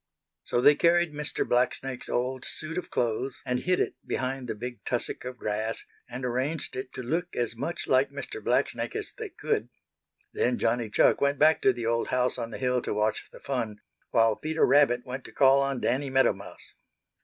So they carried Mr. Blacksnake's old suit of clothes and hid it behind the big tussock of grass, and arranged it to look as much like Mr. Blacksnake as they could. Then Johnny Chuck went back to the old house on the hill to watch the fun, while Peter Rabbit went to call on Danny Meadow Mouse.